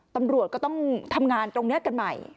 ตำรวจก็ต้องทำงานตรงนี้กันใหม่